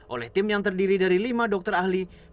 oleh tim yang terdiri dari lima dokter ahli